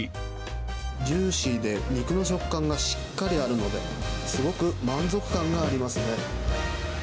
ジューシーで肉の食感がしっかりあるので、すごく満足感がありますね。